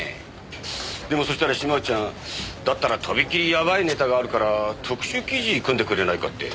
でもそうしたら島内ちゃんだったらとびきりやばいネタがあるから特集記事組んでくれないかって。